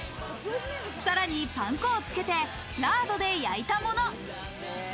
さらにパン粉をつけてラードで焼いたもの。